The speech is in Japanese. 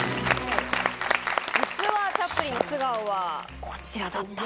実はチャップリンの素顔はこちらだったと。